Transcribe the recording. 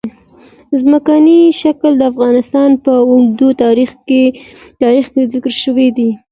ځمکنی شکل د افغانستان په اوږده تاریخ کې ذکر شوی دی.